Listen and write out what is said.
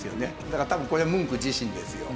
だから多分これはムンク自身ですよ。